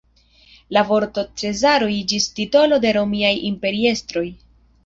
La vorto cezaro iĝis titolo de romiaj imperiestroj.